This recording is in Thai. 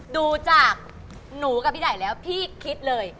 ดูจากหนูกับพี่ไดแล้วพี่คิดเลย